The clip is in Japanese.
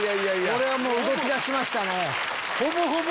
これは動きだしましたね。